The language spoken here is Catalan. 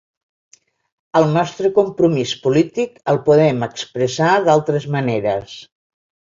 El nostre compromís polític el podem expressar d’altres maneres.